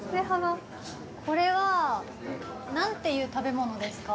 これは何ていう食べ物ですか？